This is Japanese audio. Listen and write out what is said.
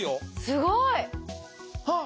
すごい！あっ！